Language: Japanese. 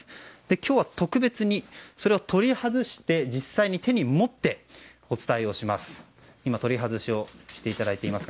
今日は特別にそれを取り外して実際に手に持って、お伝えします。